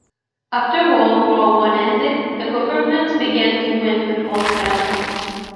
After World War One ended, the Government began to wind the force down.